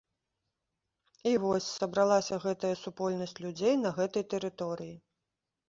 І вось сабралася гэтая супольнасць людзей на гэтай тэрыторыі.